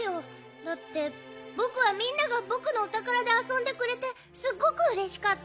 だってぼくはみんながぼくのおたからであそんでくれてすっごくうれしかった。